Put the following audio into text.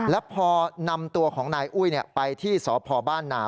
แล้วพอนำตัวของนายอุ้ยไปที่สพบ้านนา